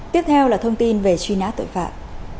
tiếp theo là thông tin về truy nã tội phạm